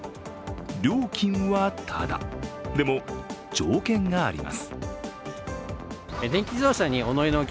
料金はタダ、でも、条件があります。